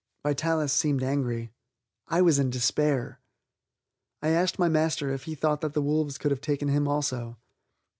Vitalis seemed angry. I was in despair. I asked my master if he thought that the wolves could have taken him also.